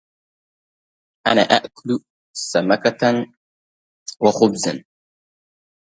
A number of the churches are mentioned in the nursery rhyme "Oranges and Lemons".